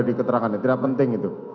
di keterangan yang tidak penting itu